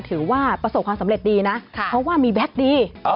ถือว่าประสบความสำเร็จดีนะเพราะว่ามีแบ็คดี